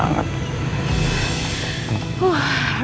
anaknya papa cantik banget